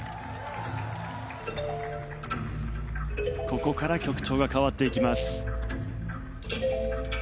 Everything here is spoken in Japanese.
ここから曲調が変わっていきます。